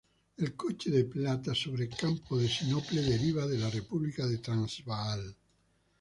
El coche de plata sobre campo de sinople deriva de la República de Transvaal.